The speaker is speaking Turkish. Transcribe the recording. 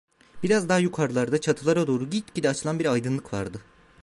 Biraz daha yukarılarda, çatılara doğru gitgide açılan bir aydınlık vardı.